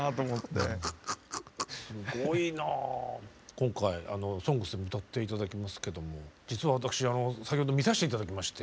今回「ＳＯＮＧＳ」で歌って頂きますけども実は私先ほど見させて頂きまして。